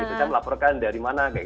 mereka melaporkan dari mana